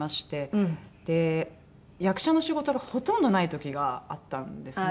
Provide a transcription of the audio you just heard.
で役者の仕事がほとんどない時があったんですね。